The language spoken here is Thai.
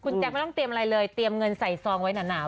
แจ๊คไม่ต้องเตรียมอะไรเลยเตรียมเงินใส่ซองไว้หนาว